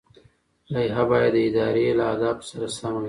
لایحه باید د ادارې له اهدافو سره سمه وي.